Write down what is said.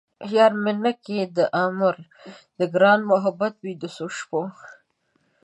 یار مې نه کئ د عمرو ـ د ګران محبت وئ د څو شپو